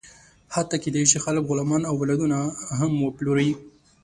حتی کېدی شي، خلک غلامان او اولادونه هم وپلوري.